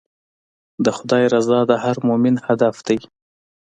د خدای رضا د هر مؤمن هدف دی.